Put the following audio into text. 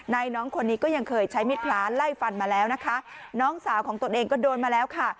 น้องคนนี้ก็ยังเคยใช้มิดพล้าไล่ฟันมาแล้วนะคะน้องสาวของตนเองก็โดนมาแล้วค่ะ